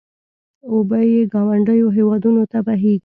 اوبه یې ګاونډیو هېوادونو ته بهېږي.